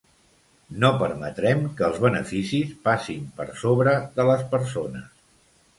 No permetrem que els beneficis passin per sobre de les persones.